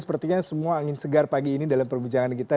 sepertinya semua angin segar pagi ini dalam perbincangan kita